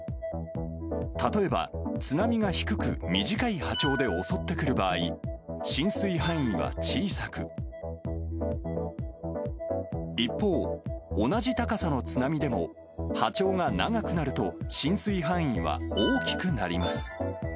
例えば、津波が低く、短い波長で襲ってくる場合、浸水範囲は小さく、一方、同じ高さの津波でも、波長が長くなると、浸水範囲は大きくなります。